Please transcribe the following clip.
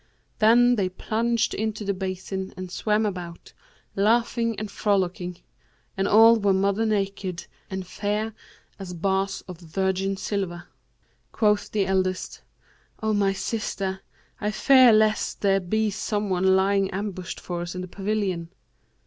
Then they plunged into the basin and swam about, laughing and frolicking; and all were mother naked and fair as bars of virgin silver. Quoth the eldest, 'O my sister, I fear lest there be some one lying ambushed for us in the pavilion.